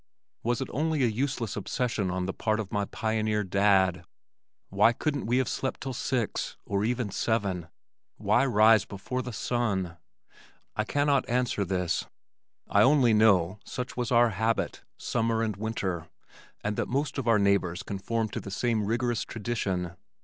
Was it only a useless obsession on the part of my pioneer dad? Why couldn't we have slept till six, or even seven? Why rise before the sun? I cannot answer this, I only know such was our habit summer and winter, and that most of our neighbors conformed to the same rigorous tradition.